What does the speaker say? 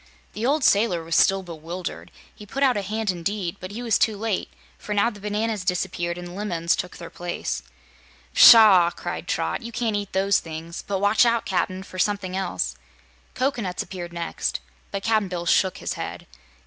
The old sailor was still bewildered. He put out a hand indeed, but he was too late, for now the bananas disappeared and lemons took their place. "Pshaw!" cried Trot. "You can't eat those things; but watch out, Cap'n, for something else." Cocoanuts next appeared, but Cap'n Bill shook his head.